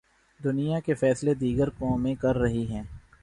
دنیا کے فیصلے دیگر قومیں کررہی ہیں۔